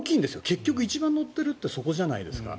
結局、一番乗ってるのってそこじゃないですか。